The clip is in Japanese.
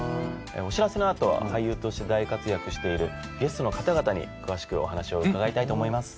お知らせのあとは俳優として大活躍しているゲストの方々に詳しくお話を伺いたいと思います。